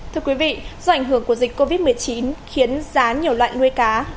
thưa quý vị do ảnh hưởng của dịch covid một mươi chín khiến giá nhiều loại nuôi cá